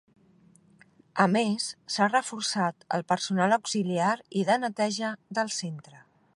A més, s’ha reforçat el personal auxiliar i de neteja del centre.